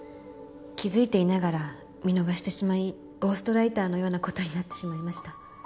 気付いていながら見逃してしまいゴーストライターのようなことになってしまいました。